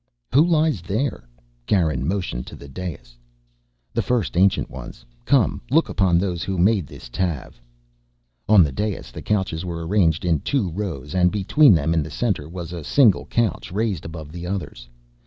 "Who lies there?" Garin motioned to the dais. "The first Ancient Ones. Come, look upon those who made this Tav." On the dais the couches were arranged in two rows and between them, in the center, was a single couch raised above the others.